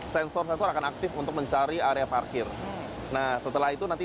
sensor akan aktif untuk mencari area yang lebih mudah untuk kita parkir